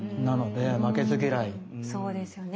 そうですよね